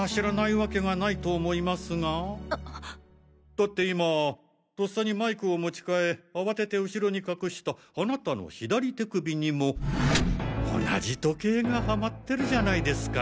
だって今とっさにマイクを持ちかえあわてて後ろに隠したあなたの左手首にも同じ時計がはまってるじゃないですか！